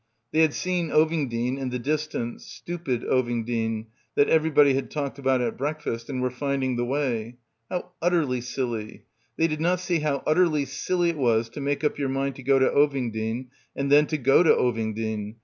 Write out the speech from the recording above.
They had seen Ovingdean in the distance, stupid Ovingdean that everybody had talked about at breakfast, and were finding the way. How utterly silly. They did not see how utterly silly it was to make up your mind to "go to Ovingdean" and then go to Oving dean.